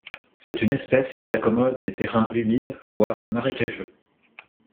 C'est une espèce qui s'accommode des terrains humides, voire marécageux.